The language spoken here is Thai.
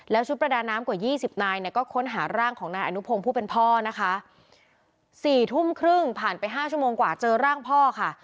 ชุดประดาน้ำกว่ายี่สิบนายเนี่ยก็ค้นหาร่างของนายอนุพงศ์ผู้เป็นพ่อนะคะสี่ทุ่มครึ่งผ่านไปห้าชั่วโมงกว่าเจอร่างพ่อค่ะ